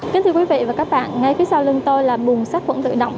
kính thưa quý vị và các bạn ngay phía sau lưng tôi là bùng sát quẩn tự động